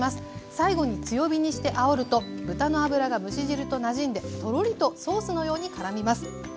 最後に強火にしてあおると豚の脂が蒸し汁となじんでとろりとソースのようにからみます。